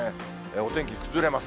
お天気崩れます。